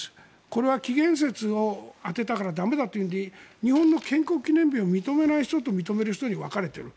これは起源説を当てたから駄目だというより日本の建国記念日を認める人と認めない人に分かれている。